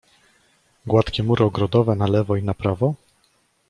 "Gładkie mury ogrodowe na lewo i na prawo?"